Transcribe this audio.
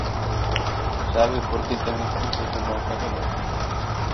¿Sabe por que ten escusas de mal pagador?